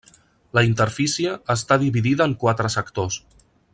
La interfície està dividida en quatre sectors.